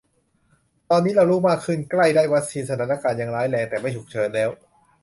ตอนนี้เรารู้มากขึ้น ใกล้ได้วัคซีน สถานการณ์ยังร้ายแรง แต่ไม่ฉุกเฉินแล้ว